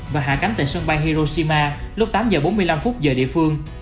và hạ cánh tại sân bay hiroshima lúc tám giờ bốn mươi năm giờ địa phương